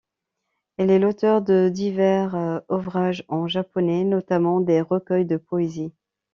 Elle est l'auteur de divers ouvrages en japonais, notamment des recueils de poésie.